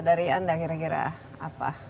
dari anda kira kira apa